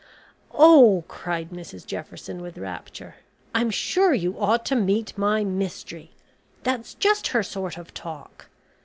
"Oh!" cried Mrs Jefferson with rapture, "I'm sure you ought to meet my `Mystery.' That's just her sort of talk.